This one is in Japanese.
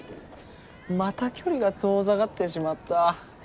また距離が遠ざかってしまった。